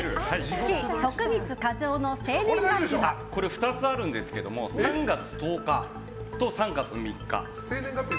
２つあるんですけれども３月１０日と３月３日。